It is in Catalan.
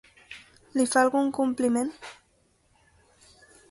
Li fa algun compliment?